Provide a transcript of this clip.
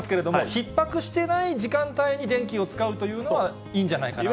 ひっ迫してない時間帯に、電気を使うというのはいいんじゃないかと。